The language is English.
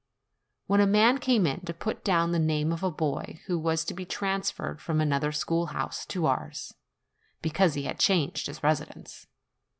when a man came in to put down the name of a boy who was to be transferred from another schoolhouse to ours, because he had changed his residence.